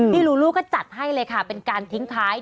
ลูลูก็จัดให้เลยค่ะเป็นการทิ้งท้าย